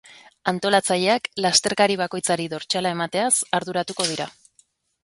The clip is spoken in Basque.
Antolatzaileak lasterkari bakoitzari dortsala emateaz arduratuko dira.